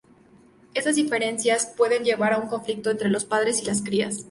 Estas diferencias pueden llevar a un conflicto entre los padres y las crías.